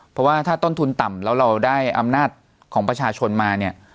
เพราะว่าถ้าต้นทุนต่ำแล้วเราได้อำนาจของประชาชนมาเนี่ย